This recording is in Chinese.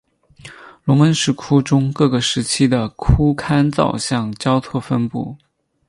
龙门石窟中各个时期的窟龛造像交错分布。